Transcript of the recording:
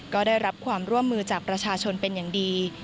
ก็ได้รับความร่วมมือจากประชาชนเป็นอย่างดี